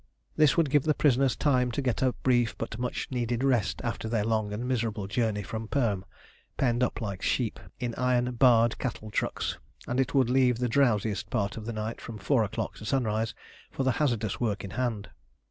This would give the prisoners time to get a brief but much needed rest after their long and miserable journey from Perm, penned up like sheep in iron barred cattle trucks, and it would leave the drowsiest part of the night, from four o'clock to sunrise, for the hazardous work in hand.